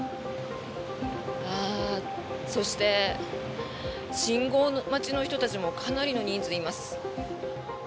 そして、信号待ちの人たちもかなりの人数、います。